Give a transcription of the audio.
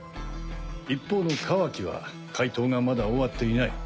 一方のカワキは解凍がまだ終わっていない。